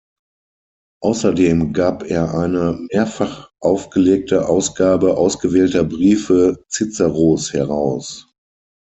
Außerdem gab er eine mehrfach aufgelegte Ausgabe ausgewählter Briefe Ciceros heraus.